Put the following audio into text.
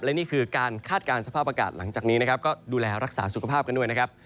และนี่คือการคาดการณ์สภาพอากาศหลังจากนี้นะครับก็ดูแลรักษาสุขภาพกันด้วยนะครับ